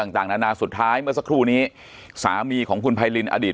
ต่างนานาสุดท้ายเมื่อสักครู่นี้สามีของคุณไพรินอดีต